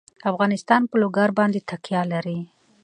افغانستان په لوگر باندې تکیه لري.